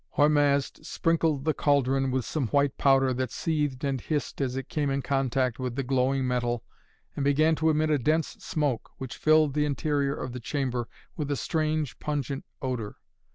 Hormazd sprinkled the cauldron with some white powder that seethed and hissed as it came in contact with the glowing metal and began to emit a dense smoke, which filled the interior of the chamber with a strange, pungent odor.